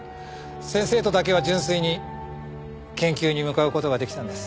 先生とだけは純粋に研究に向かう事が出来たんです。